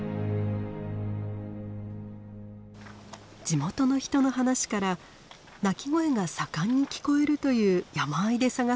地元の人の話から鳴き声が盛んに聞こえるという山あいで探すことにしました。